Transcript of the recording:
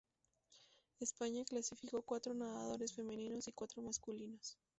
España clasificó cuatro nadadores femeninos y cuatro masculinos.